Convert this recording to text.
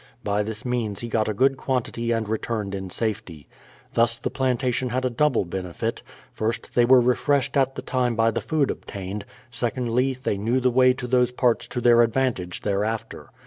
By this means he got a good quantity and returned in safety. Thus the plantation had a double benefit : first, they were refreshed at the time by the food obtained ; secondly, they knew the way to those parts to their advantage thereafter.